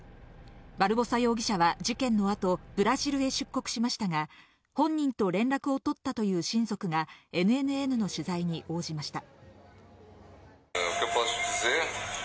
バルボサ容疑者は事件の後、ブラジルへ出国しましたが、本人と連絡を取ったという親族がＮＮＮの取材に応じました。